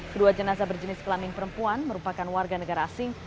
kedua jenazah berjenis kelamin perempuan merupakan warga negara asing